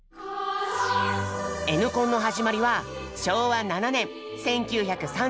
「Ｎコン」の始まりは昭和７年１９３２年。